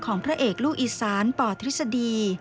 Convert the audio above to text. ของพระเอกลูกอีสานปธิษฎี